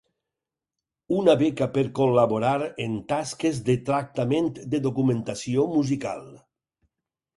Una beca per col·laborar en tasques de tractament de documentació musical.